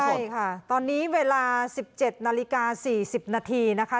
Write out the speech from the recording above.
ใช่ค่ะตอนนี้เวลา๑๗นาฬิกา๔๐นาทีนะคะ